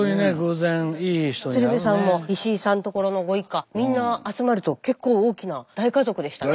鶴瓶さんも石井さんところのご一家みんな集まると結構大きな大家族でしたね。